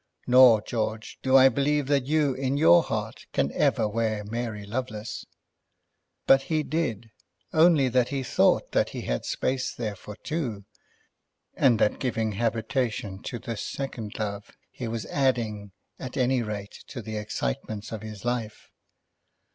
Nor, George, do I believe that you in your heart can ever wear Mary Lovelace!" But he did, only that he thought that he had space there for two, and that in giving habitation to this second love he was adding at any rate to the excitements of his life.